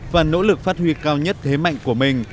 và nỗ lực phát huy cao nhất thế mạnh của mình